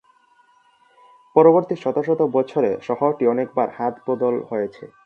পরবর্তী শত শত বছরে শহরটি অনেকবার হাত বদল হয়েছে।